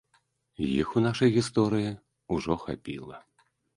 Іх у нашай гісторыі ўжо хапіла.